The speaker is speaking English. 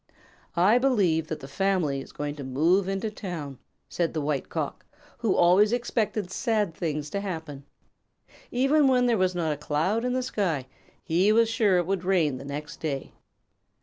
"I believe that the family is going to move into town," said the White Cock, who always expected sad things to happen. Even when there was not a cloud in the sky, he was sure that it would rain the next day.